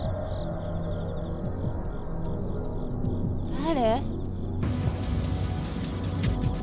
誰？